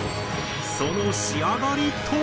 その仕上がりとは？